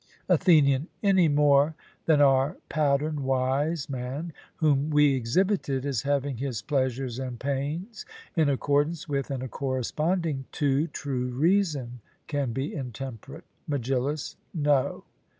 ATHENIAN: Any more than our pattern wise man, whom we exhibited as having his pleasures and pains in accordance with and corresponding to true reason, can be intemperate? MEGILLUS: No.